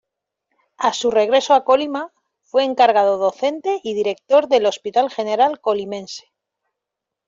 A su regreso a Colima, fue encargado docente y director del Hospital General Colimense.